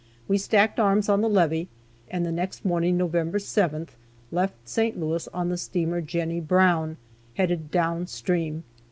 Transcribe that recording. We stacked arms on the levee, and the next morning, November 7th, left St. Louis on the steamer "Jennie Brown," headed down stream.